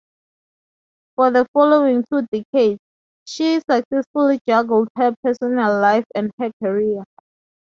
For the following two decades, she successfully juggled her personal life and her career.